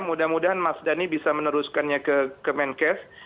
mudah mudahan mas dhani bisa meneruskannya ke kemenkes